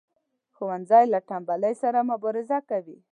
ښوونځی له تنبلی سره مبارزه کوي